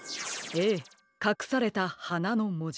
ええかくされた「はな」のもじ。